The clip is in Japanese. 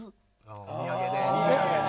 お土産で。